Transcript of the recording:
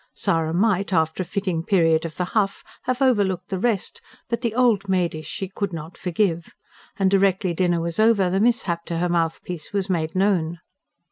Sara might, after a fitting period of the huff, have overlooked the rest; but the "old maidish" she could not forgive. And directly dinner was over, the mishap to her mouthpiece was made known.